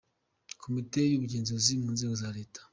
Komite z’Ubugenzuzi mu Nzego za Leta ;